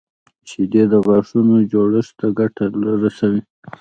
شیدې د غاښونو جوړښت ته ګټه رسوي